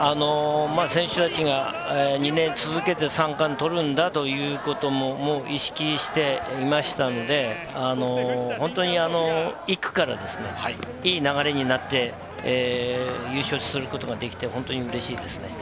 選手たちが２年続けて三冠取るんだということも意識していましたので、本当に１区からいい流れになって優勝することができて、本当にうれしいですね。